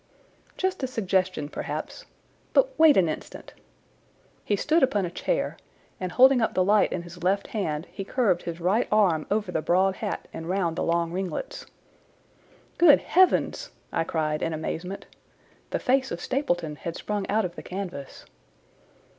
"Just a suggestion, perhaps. But wait an instant!" He stood upon a chair, and, holding up the light in his left hand, he curved his right arm over the broad hat and round the long ringlets. "Good heavens!" I cried in amazement. The face of Stapleton had sprung out of the canvas.